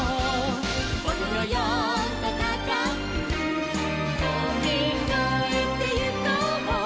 「ぼよよよんとたかくとびこえてゆこう」